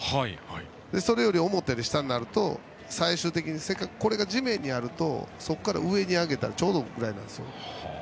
それよりも思ったより下になると地面にあるとそこから上に上げたらちょうどくらいなんです。